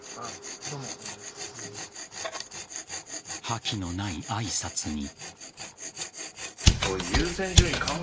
覇気のない挨拶に。